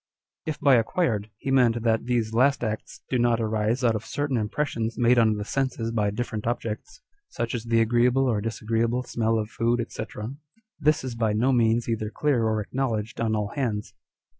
If by acquired, he meant that these last acts do not arise out of certain impressions made on the senses by different objects, (such as the agreeable or disagreeable smell of food, &c.) this is by no means either clear or acknowledged on all hands.